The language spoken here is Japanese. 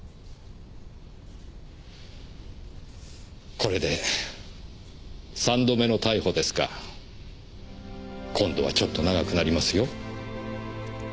これで３度目の逮捕ですが今度はちょっと長くなりますよ。